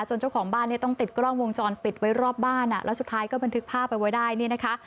เจ้าของบ้านเนี่ยต้องติดกล้องวงจรปิดไว้รอบบ้านอ่ะแล้วสุดท้ายก็บันทึกภาพเอาไว้ได้เนี่ยนะคะ